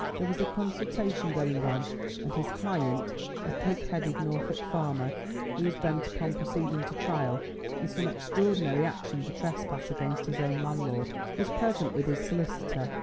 There was a consultation going on, and his client, a pig headed Norfolk farmer, who was bent upon proceeding to trial with some extraordinary action for trespass against his own landlord, was present with his solicitor.